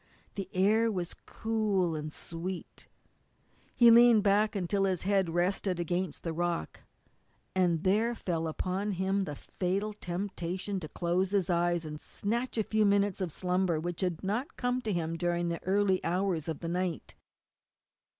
The air was cool and sweet. He leaned back until his head rested against the rock, and there fell upon him the fatal temptation to close his eyes and snatch a few minutes of the slumber which had not come to him during the early hours of the night.